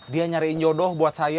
dia nyariin jodoh buat saya